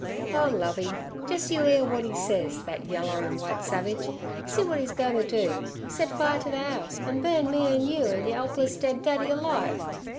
'Oh, Lovey, jes' you 'ear w'at e' sez, ther yeller an' w'ite savage; see w'at 'e's goin' ter do—set fire ter ther 'ouse, an' burn me an' you an' yer 'elpless dead daddy alive.